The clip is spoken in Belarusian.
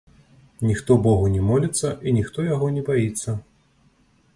Ніхто богу не моліцца і ніхто яго не баіцца.